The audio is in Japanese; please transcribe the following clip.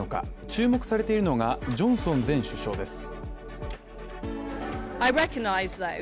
注目されているのがジョンソン前首相です。